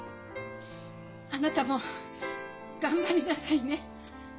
あなたも頑張りなさいね！